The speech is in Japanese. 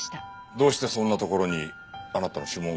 どうしてそんなところにあなたの指紋が？